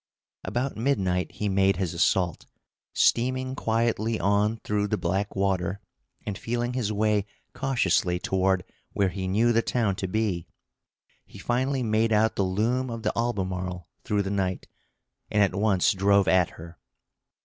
About midnight he made his assault. Steaming quietly on through the black water, and feeling his way cautiously toward where he knew the town to be, he finally made out the loom of the Albemarle through the night, and at once drove at her.